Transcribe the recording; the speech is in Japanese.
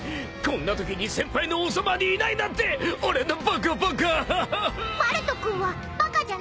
こんなときに先輩のおそばにいないなんて俺のバカバカ！］